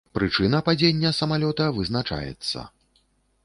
Прычына падзення самалёта вызначаецца.